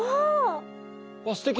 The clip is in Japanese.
すてき！